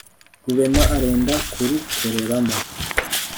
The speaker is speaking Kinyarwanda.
rurema arenda kurukoreramo